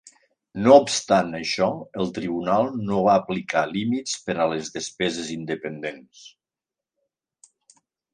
No obstant això, el tribunal no va aplicar límits per a les despeses independents.